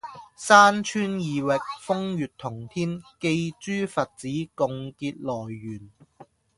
山川異域，風月同天，寄諸佛子，共結來緣